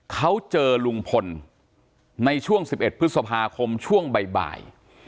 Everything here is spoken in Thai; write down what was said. เขาเจอลุงพลในช่วง๑๑พฤษภาคมช่วงบ่าย